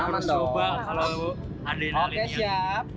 harus coba kalau adrenalinnya